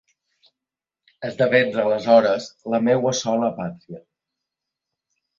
Esdevens, aleshores, la meua sola pàtria.